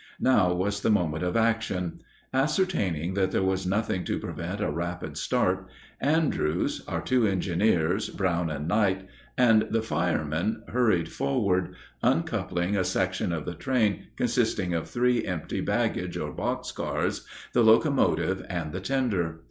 Now was the moment of action. Ascertaining that there was nothing to prevent a rapid start, Andrews, our two engineers, Brown and Knight, and the firemen hurried forward, uncoupling a section of the train consisting of three empty baggage or box cars, the locomotive, and the tender.